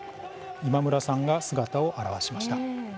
今村さんが姿を現しました。